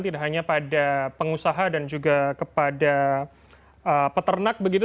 tidak hanya pada pengusaha dan juga kepada peternak begitu